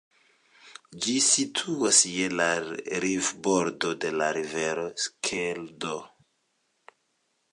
Ĝi situas je la riverbordo de la rivero Skeldo.